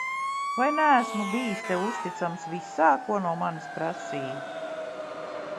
Vai neesmu bijis Tev uzticams visā, ko no manis prasīji?